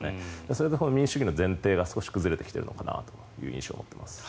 それで民主主義の前提が少し崩れてきているのかなという印象を持っています。